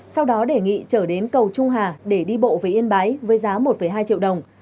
sau đó đề nghị trở đến cầu trung hà để đi bộ về yên bái với giá một hai triệu đồng